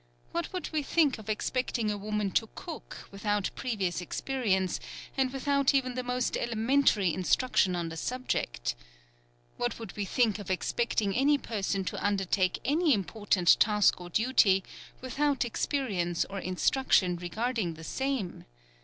What would we think of expecting a woman to cook, without previous experience and without even the most elementary instruction on the subject? What would we think of expecting any person to undertake any important task or duty without experience or instruction regarding the same?